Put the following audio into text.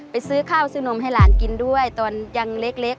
ซื้อข้าวซื้อนมให้หลานกินด้วยตอนยังเล็ก